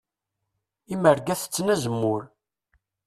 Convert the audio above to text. Imerga tetten azemmur.